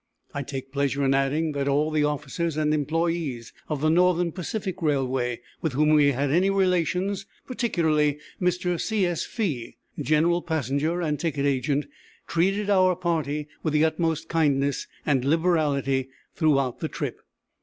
I take pleasure in adding that all the officers and employés of the Northern Pacific Railway with whom we had any relations, particularly Mr. C. S. Fee, general passenger and ticket agent, treated our party with the utmost kindness and liberality throughout the trip.